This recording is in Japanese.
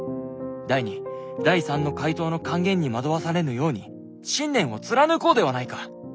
第２第３の怪盗の甘言に惑わされぬように信念を貫こうではないか。